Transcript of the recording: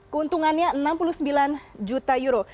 keuntungannya enam puluh sembilan juta euro